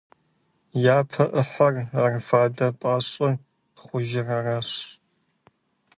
Япэ ӏыхьэр, ар «фадэ пӀащӀэ» хъужыр аращ.